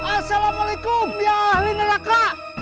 assalamu'alaikum ya ahli neraka